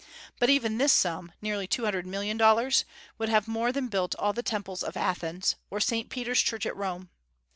But even this sum, nearly two hundred million dollars, would have more than built all the temples of Athens, or St. Peter's Church at Rome.